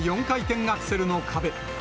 ４回転アクセルの壁。